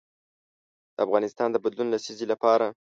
د افغانستان د بدلون لسیزې لپاره.